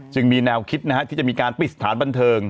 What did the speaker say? จึงมีแนวคิดที่จะมีการปิดสถานบันเทิง